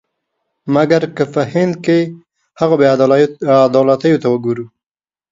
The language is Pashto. مګر که په هند کې هغو بې عدالتیو ته وګورو.